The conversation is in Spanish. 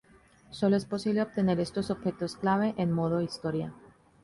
Solo es posible obtener estos objetos clave en modo historia.